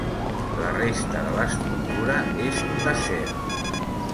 La resta de l'estructura és d'acer.